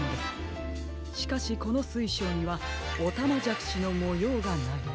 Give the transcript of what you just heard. しかしこのすいしょうにはおたまじゃくしのもようがない。